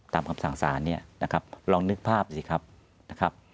ตามคำสั่งศาลนี้ลองนึกภาพสิครับ